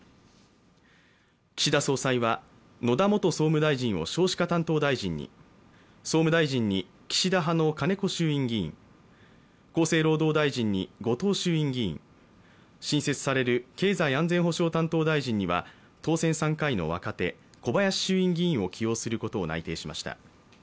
岸田総裁は、野田元総務大臣を少子化担当大臣に総務大臣に岸田派の金子衆院議員、厚生労働大臣に後藤衆院議員、新設される経済安全保障担当大臣には当選３回の若手、小林衆院議員を起用することを内定しました。